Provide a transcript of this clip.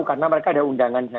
karena mereka ada undangan saja